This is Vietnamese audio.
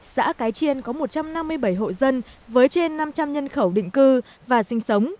xã cái chiên có một trăm năm mươi bảy hộ dân với trên năm trăm linh nhân khẩu định cư và sinh sống